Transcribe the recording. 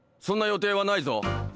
そんな予定はないぞ？